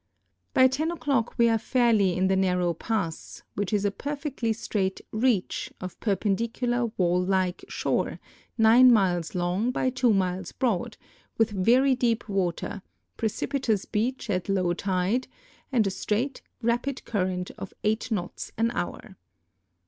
By 10 o'clock we are fairly in the narrow jiass, which is a perfectly straight " reach" of perpendicular wall like shove, 9 miles long by 2 miles broad, with very deep water, precipitous l)each at low tide, and a straight, rapid current of 8 knots an hour.